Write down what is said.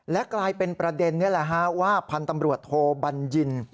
และกลายเป็นประเด็นว่าพันธ์ตำรวจโทบัญญิน